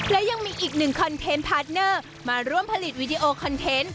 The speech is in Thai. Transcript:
และยังมีอีกหนึ่งคอนเทนต์พาร์ทเนอร์มาร่วมผลิตวิดีโอคอนเทนต์